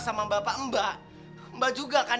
sampai bapak mati pun